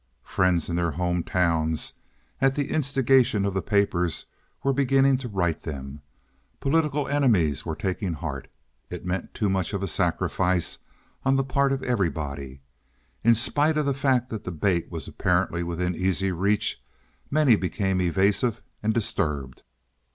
Friends in their home towns, at the instigation of the papers, were beginning to write them. Political enemies were taking heart. It meant too much of a sacrifice on the part of everybody. In spite of the fact that the bait was apparently within easy reach, many became evasive and disturbed.